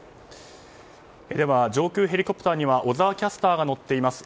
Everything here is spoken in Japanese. では、上空ヘリコプターには小澤キャスターが乗っています。